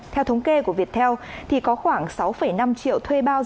theo thống kê của viettel thì có khoảng sáu năm triệu thuê bao